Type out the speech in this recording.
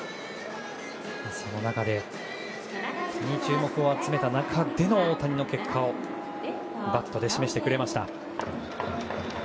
その中で、より注目を集めた中で大谷は結果をバットで示してくれました。